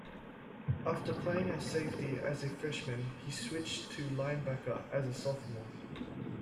After playing as safety as a freshman he switched to linebacker as a sophomore.